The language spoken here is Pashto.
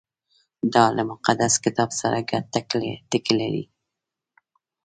• دا له مقدس کتاب سره ګډ ټکي لري.